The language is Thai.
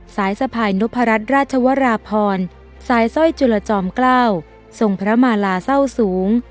สายสะพายนพรัชราชวราพรสายสร้อยจุลจอมเกล้าทรงพระมาลาเศร้าสูง